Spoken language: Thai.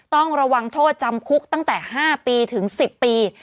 ต้องระวังโทษจำคุกตั้งแต่๕ปีถึง๑๐ปี